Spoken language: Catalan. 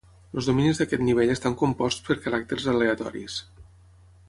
Els dominis d'aquest nivell estan composts per caràcters aleatoris.